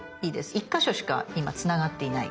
１か所しか今つながっていない。